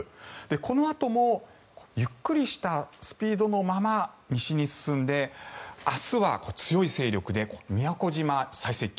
このあともゆっくりしたスピードのまま西に進んで明日は強い勢力で宮古島、最接近。